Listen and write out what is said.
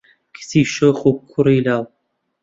کچی شۆخ و کوڕی لاو